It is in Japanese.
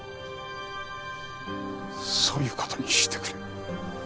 そういうことにしてくれ。